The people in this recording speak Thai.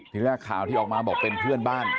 ทีแรกข่าวที่ออกมาบอกเป็นเพื่อนบ้าน